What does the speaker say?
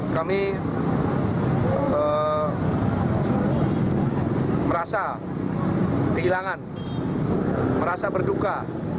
kami merasa kehilangan merasa berduka